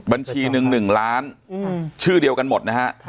บัญชีหนึ่ง๑ล้านชื่อเดียวกันหมดนะฮะ